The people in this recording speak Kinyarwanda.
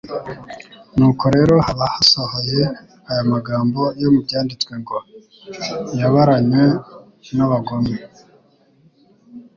Nuko rero haba hasohoye aya magambo yo mu Byanditswe ngo: «Yabaranywe n'abagome.'»